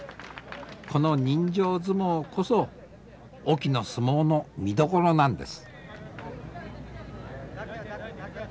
この人情相撲こそ隠岐の相撲の見どころなんです。